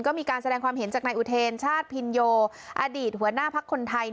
ก็มีการแสดงความเห็นจากนายอุเทรชาติพินโยอดีตหัวหน้าพักคนไทย